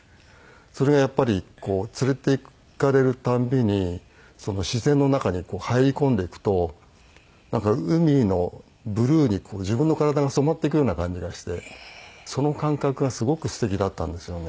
それがやっぱり連れて行かれる度に自然の中に入り込んでいくと海のブルーに自分の体が染まっていくような感じがしてその感覚がすごくすてきだったんですよね。